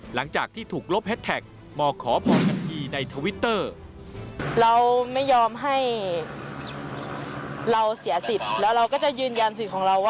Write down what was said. หลังจากที่ถูกลบแฮทแท็ก